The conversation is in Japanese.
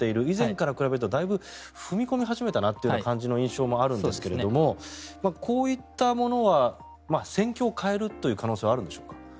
以前からすると踏み込み始めたなという印象もあるんですけれどもこういったものは戦況を変える可能性はあるんでしょうか。